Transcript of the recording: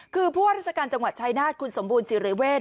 คือผู้ว่าราชการจังหวัดชายนาฏคุณสมบูรณศิริเวศ